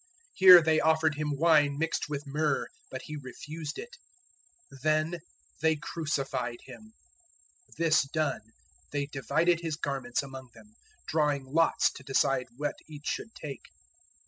015:023 Here they offered Him wine mixed with myrrh; but He refused it. 015:024 Then they crucified Him. This done, they divided His garments among them, drawing lots to decide what each should take.